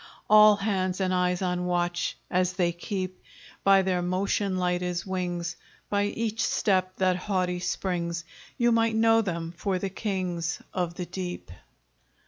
All hands and eyes on watch, As they keep; By their motion light as wings, By each step that haughty springs, You might know them for the kings Of the deep!